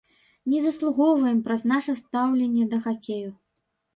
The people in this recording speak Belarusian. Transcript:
Не заслугоўваем праз наша стаўленне да хакею.